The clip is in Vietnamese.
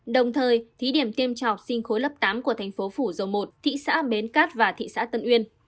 đồng thời thí điểm tiêm cho học sinh khối lớp tám của thành phố phủ dầu một thị xã bến cát và thị xã tân uyên